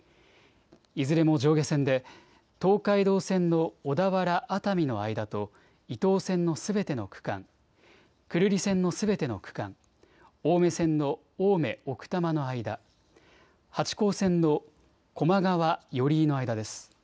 いずれも上下線で東海道線の小田原・熱海の間と伊東線のすべての区間、久留里線のすべての区間、青梅線の青梅・奥多摩の間、八高線の高麗川・寄居の間です。